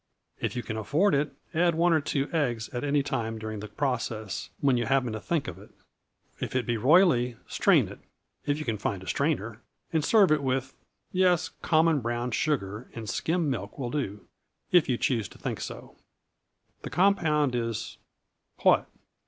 If you can afford it, add one or two eggs at any time during the process, when you happen to think of it. If it be roily, strain it, if you can find a strainer, and serve it with yes, common brown sugar and skim milk will do, if you choose to think so. The compound is what?